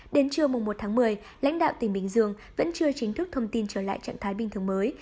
đến trưa một một mươi lãnh đạo tỉnh bình dương vẫn chưa chính thức thông tin trở lại trạng thái bình thường mới